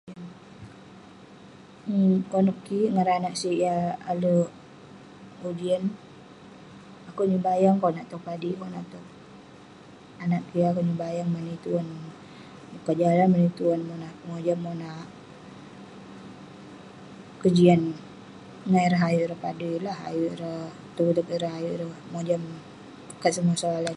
Konep kik ngan ireh anag sik yah alek ujian, akewk nyebayang konak towk padik ,konak towk anag kik.. akewk nyebayang mani tuan buka jalan, mani tuan monak pengojam ,monak kejian ngan ireh ayuk ireh padui lah..ayuk ireh tong uteg ireh, ayuk ireh mojam tong kat semua soalan..